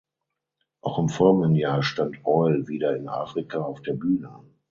Auch im folgenden Jahr stand Oil wieder in Afrika auf der Bühne.